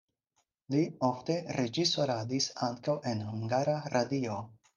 Li ofte reĝisoradis ankaŭ en Hungara Radio.